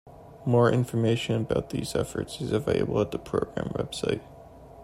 More information about these efforts is available at the program website.